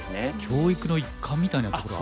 教育の一環みたいなところ。